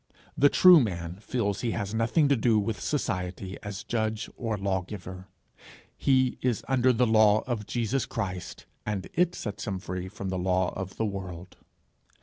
The true man feels he has nothing to do with Society as judge or lawgiver: he is under the law of Jesus Christ, and it sets him free from the law of the World.